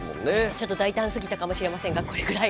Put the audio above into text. ちょっと大胆すぎたかもしれませんがこれぐらい。